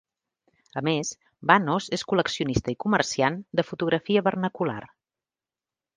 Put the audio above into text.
A més, Bannos és col·leccionista i comerciant de fotografia vernacular.